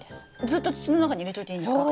ずっと土の中に入れといていいんですか？